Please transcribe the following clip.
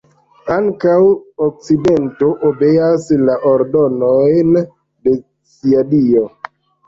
Ankaŭ okcidento obeas la ordonojn de sia dio.